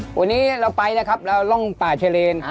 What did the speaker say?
วันนี้เราไปแล้วครับเราร่องป่าเชเลน